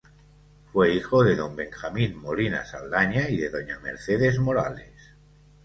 Fue hijo de Don Benjamín Molina Saldaña y de Doña Mercedes Morales.